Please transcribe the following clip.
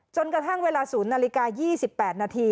จนกระทั่งเวลา๐นาฬิกา๒๘นาที